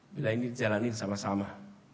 bila ini dijalanin sama sama